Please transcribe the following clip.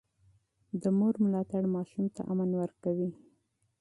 د مور ملاتړ ماشوم ته امن ورکوي.